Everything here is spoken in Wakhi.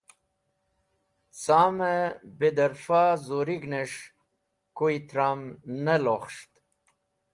Camẽ bidẽrfa zurig̃hnẽs̃h koy tram ne lokhs̃ht